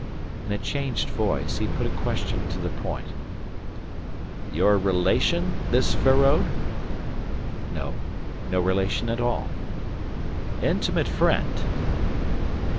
In a changed voice he put a question to the point: "Your relation this Feraud?" "No. No relation at all." "Intimate friend?"